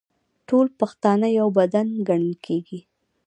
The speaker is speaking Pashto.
ټول پښتانه یو بدن ګڼل کیږي.